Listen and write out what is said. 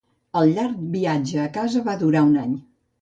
El llarg viatge a casa va durar un any.